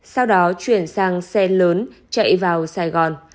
sau đó chuyển sang xe lớn chạy vào sài gòn